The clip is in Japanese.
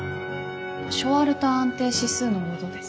ショワルター安定指数のごどです。